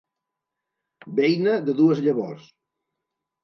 Beina de dues llavors.